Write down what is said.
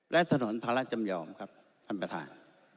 และถนนภาระจำยอมครับท่านประธาน